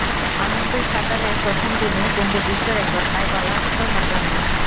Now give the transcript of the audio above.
Olympic সাঁতারের প্রথম দিনেই তিনটি বিশ্ব রেকর্ড তাই বলার মতো ঘটনাই।